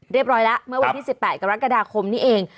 ร้อยละเมื่อวันที่๑๘กรกฎาคมนี้เอง